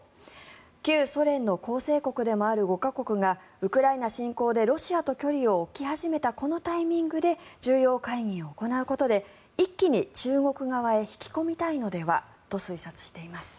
旧ソ連の構成国でもある５か国がウクライナ侵攻でロシアと距離を置き始めたこのタイミングで重要会議を行うことで一気に中国側へ引き込みたいのではと推察しています。